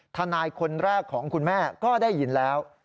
ทนายคนแรกของคุณแม่ก็ได้ยินแล้ว